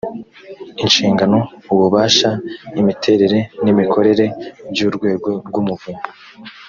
inshingano ububasha imiterere n’imikorere by’urwego rw’umuvunyi